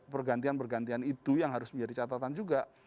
pergantian pergantian itu yang harus menjadi catatan juga